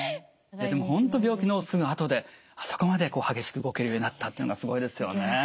でも本当病気のすぐあとであそこまで激しく動けるようになったっていうのがすごいですよね。